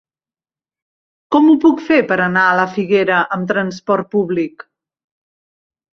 Com ho puc fer per anar a la Figuera amb trasport públic?